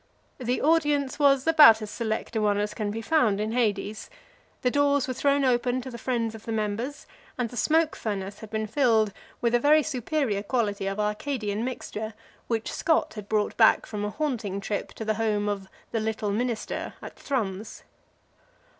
The audience was about as select a one as can be found in Hades. The doors were thrown open to the friends of the members, and the smoke furnace had been filled with a very superior quality of Arcadian mixture which Scott had brought back from a haunting trip to the home of "The Little Minister," at Thrums.